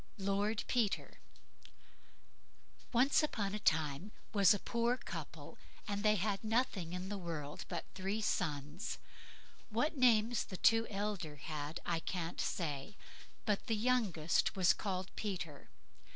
LORD PETER Once on a time there was a poor couple, and they had nothing in the world but three sons. What the names the two elder had I can't say, but the youngest he was called Peter.